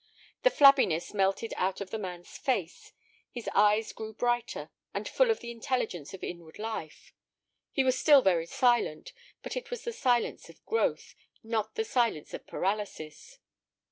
The flabbiness melted out of the man's face; his eyes grew brighter and full of the intelligence of inward life. He was still very silent, but it was the silence of growth, not the silence of paralysis.